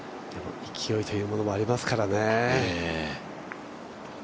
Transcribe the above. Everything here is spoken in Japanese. でも勢いというものもありますからね。